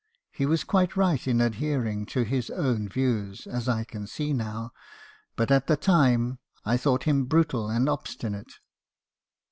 He was quite right in adhering to his own views , as I can see now; but, at the time , I thought him brutal and obstinate."